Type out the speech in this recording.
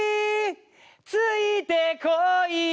「ついてこい」